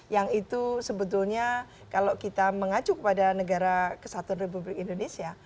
yang itu sebetulnya kalau kita mengacu kepada negara kesatuan republik indonesia